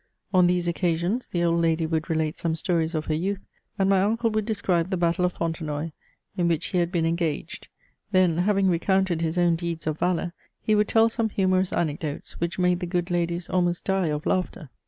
On these occasions, the old lady would relate some stories of her youth, and my uncle would describe the battle of Fontenoy, in which he had been engaged ; then, having recounted his own deeds of valour, he would tell some humorous anecdotes, which made the good ladies almost die of laughter.